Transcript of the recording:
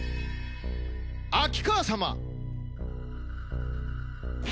秋川様